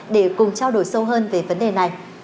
để cùng trao đổi sâu hơn về vấn đề này